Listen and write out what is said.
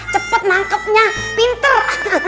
cepet mangkapnya pinter